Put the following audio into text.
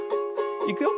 いくよ。